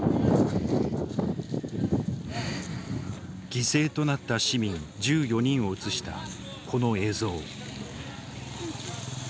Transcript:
犠牲となった市民１４人を写したこの映像。